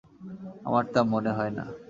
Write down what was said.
আমার তা মনে হয় না।